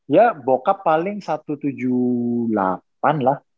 ya bokap paling satu ratus tujuh puluh delapan lah